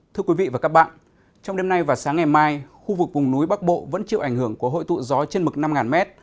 thưa quý vị và các bạn trong đêm nay và sáng ngày mai khu vực vùng núi bắc bộ vẫn chịu ảnh hưởng của hội tụ gió trên mực năm m